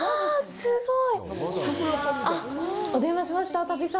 すごい！